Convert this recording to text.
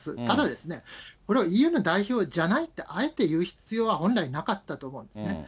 ただ、これ、ＥＵの代表じゃないってあえて言う必要は本来なかったと思うんですね。